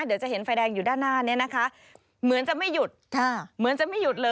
เดี๋ยวจะเห็นไฟแดงอยู่ด้านหน้าเนี่ยนะคะเหมือนจะไม่หยุด